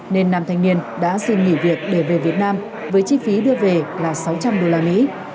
nên nam thanh niên đã xin nghỉ việc để về việt nam với chi phí đưa về là sáu trăm linh đô la mỹ